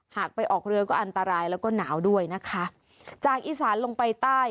หากไปออกเรือก็อันตรายแล้วก็หนาวด้วยนะคะจากอีสานลงไปใต้